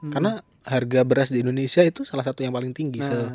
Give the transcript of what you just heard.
karena harga beras di indonesia itu salah satu yang paling tinggi